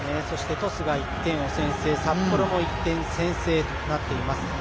そして、鳥栖が１点を先制札幌も１点先制となっています。